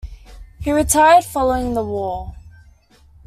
He retired following the war.